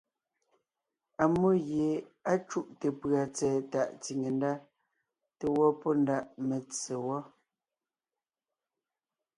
Ammó gie á cúte pʉ̀a tsɛ̀ɛ tàʼ tsìne ndá te gẅɔ́ pɔ́ ndaʼ metse wɔ́.